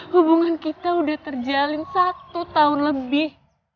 hubungan kita udah terjalin satu tahun lebih